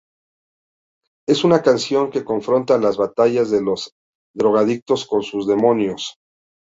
Es una canción que confronta las batallas de los drogadictos con sus demonios.